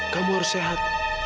kamu harus sehat